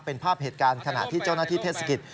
เป็นภาพเหตุการณ์ขณะที่เจ้าหน้าที่เทศกิจ